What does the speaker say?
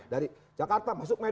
dari jakarta masuk medis